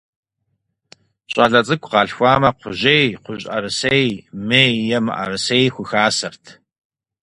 ЩӀалэ цӀыкӀу къалъхуамэ, кхъужьей, кхъужьӀэрысей, мей е мыӀэрысей хухасэрт.